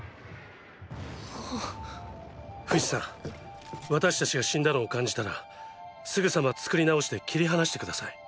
フシさん私たちが死んだのを感じたらすぐさま作り直して切り離して下さい。